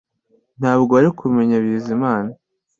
Ntabwo wari kumenya Bizimana